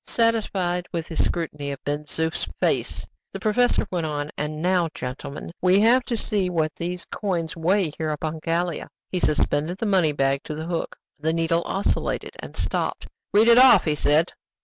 Satisfied with his scrutiny of Ben Zoof's face, the professor went on. "And now, gentlemen, we have to see what these coins weigh here upon Gallia." He suspended the money bag to the hook; the needle oscillated, and stopped. "Read it off!" he said.